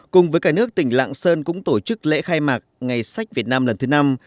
cùng với cả nước tỉnh lạng sơn cũng tổ chức lễ khai mạc ngày sách việt nam lần thứ năm